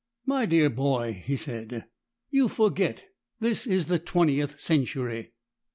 "My dear boy," he said, "you forget. This is the Twentieth Century."